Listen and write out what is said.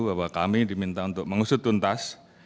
bahwa kami diminta untuk mengusut tuntas